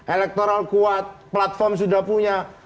elektoral kuat platform sudah punya